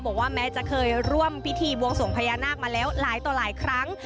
บอกว่าแม้จะเคยร่วมพิธีบวงสวงพญานาคมาแล้วหลายต่อหลายครั้ง